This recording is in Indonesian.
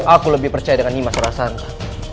aku lebih percaya dengan nimas rasanta